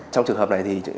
trong trường hợp này thì